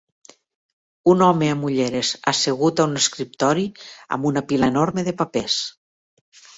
Un home amb ulleres assegut a un escriptori amb una pila enorme de papers.